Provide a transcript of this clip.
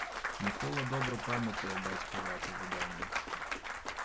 Мікола добра памятае бацькава апавяданне.